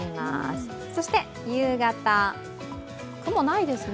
そして夕方、雲ないですね。